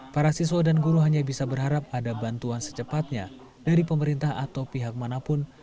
para siswa dan guru hanya bisa berharap ada bantuan secepatnya dari pemerintah atau pihak manapun